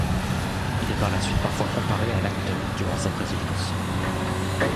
Il est par la suite parfois comparé à l'acteur durant sa présidence.